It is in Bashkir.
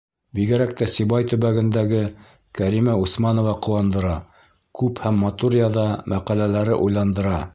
Бигерәк тә Сибай төбәгендәге Кәримә Усманова ҡыуандыра: күп һәм матур яҙа, мәҡәләләре уйландыра.